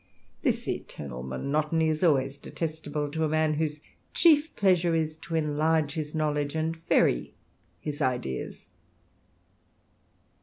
This eternal monotony is always detestable to a man whose chief pleasure is to enlarge his knowledge, and vary his ideas.